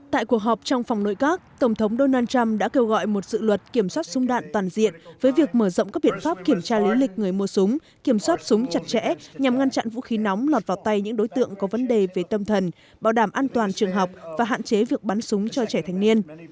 tại cuộc họp trong phòng nội các tổng thống donald trump đã kêu gọi một dự luật kiểm soát súng đạn toàn diện với việc mở rộng các biện pháp kiểm tra lý lịch người mua súng kiểm soát súng chặt chẽ nhằm ngăn chặn vũ khí nóng lọt vào tay những đối tượng có vấn đề về tâm thần bảo đảm an toàn trường học và hạn chế việc bắn súng cho trẻ thành niên